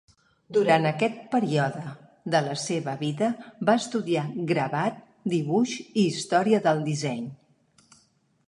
Durant aquest període de la seva vida va estudiar gravat, dibuix i història del disseny.